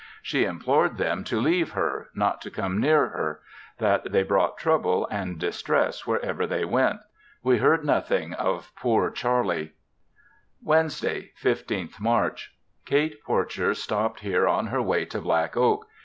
She implored them to leave her, not to come near her; that they brought trouble and distress wherever they went. We heard nothing of poor Charlie. Wednesday, 15th March. Kate Porcher stopped here on her way to Black Oak.